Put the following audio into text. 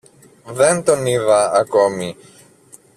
Δεν τον είδα ακόμη